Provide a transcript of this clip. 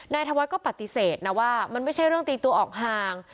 ธวัฒน์ก็ปฏิเสธนะว่ามันไม่ใช่เรื่องตีตัวออกห่าง